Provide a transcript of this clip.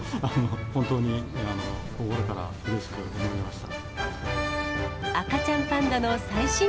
本当に心からうれしく思いました。